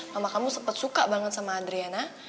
mama kamu sempat suka banget sama adriana